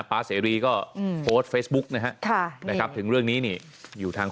ปั๊กเสนอรีก็เฟสบุ๊กนะฮะท้านะครับถึงเรื่องนี้นี่อยู่ทาง